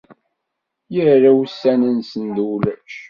Irra ussan-nsen d ulac.